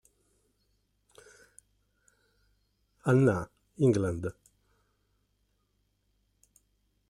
Hannah England